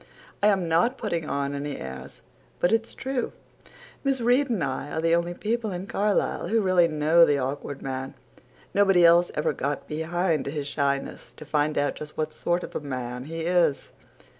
"I am not putting on any airs. But it's true. Miss Reade and I are the only people in Carlisle who really know the Awkward Man. Nobody else ever got behind his shyness to find out just what sort of a man he is."